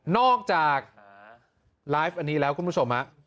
นอกจากไลฟ์อันนี้แล้วคุณผู้ชม